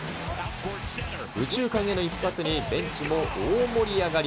右中間への一発にベンチも大盛り上がり。